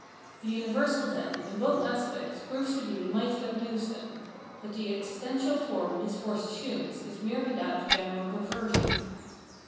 The universal, then, in both aspects proves to be the might that moves them ; but the existential form this force assumes is merely that of general perversion.